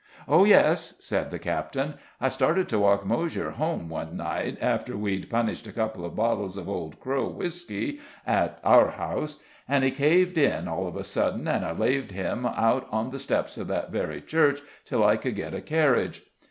"Oh, yes," said the captain; "I started to walk Moshier home one night, after we'd punished a couple of bottles of old Crow whisky at our house, and he caved in all of a sudden, and I laid him out on the steps of that very church till I could get a carriage.